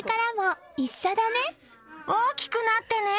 大きくなってね！